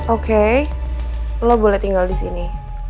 oke lo boleh tinggal disini